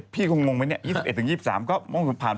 พี่คงงงไหม๒๑๒๓ก็ผ่านภาคกลาง